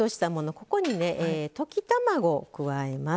ここに溶き卵を加えます。